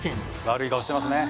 悪い顔してますね。